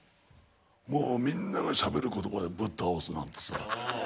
もうみんながしゃべる言葉だよぶっ倒すなんてさ。